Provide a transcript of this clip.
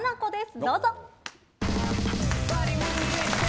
どうぞ。